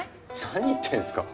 何言ってんすか？